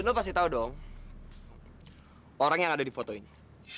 dan lu pasti tau dong orang yang ada di foto ini